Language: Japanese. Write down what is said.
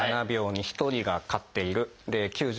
７秒に１人が買っている。